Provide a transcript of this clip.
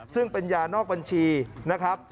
ซึ่งเป็นยานอกบัญชีนะครับ